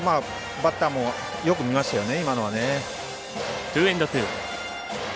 バッターもよく見ましたね。